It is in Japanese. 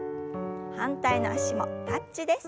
反対の脚もタッチです。